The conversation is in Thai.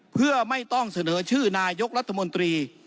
เพื่อไม่ต้องเสนอชื่อนายกรัฐมนตรี